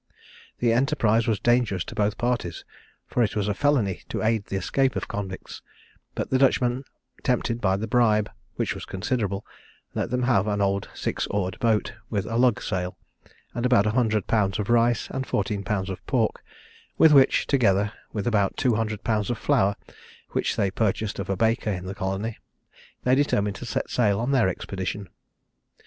The enterprise was dangerous to both parties, for it was a felony to aid the escape of convicts; but the Dutchman tempted by the bribe, which was considerable, let them have an old six oared boat, with a lug sail, and about 100 lbs. of rice, and 14 lbs. of pork, with which, together with about 200 lbs. of flour, which they purchased of a baker in the colony, they determined to set sail on their expedition.